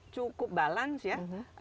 cukup balance ya